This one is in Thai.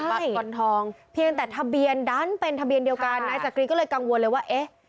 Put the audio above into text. ปากกอนทองเพียงแต่ทะเบียนดันเป็นทะเบียนเดียวกันนายจักรีก็เลยกังวลเลยว่าเอ๊ะ